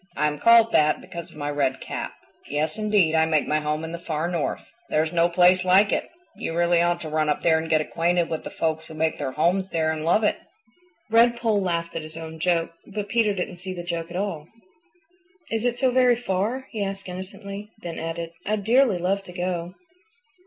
"I am called that because of my red cap. Yes, indeed, I make my home in the Far North. There is no place like it. You really ought to run up there and get acquainted with the folks who make their homes there and love it." Redpoll laughed at his own joke, but Peter didn't see the joke at all. "Is it so very far?" he asked innocently; then added, "I'd dearly love to go."